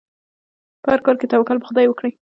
په هر کار کې توکل په خدای وکړئ.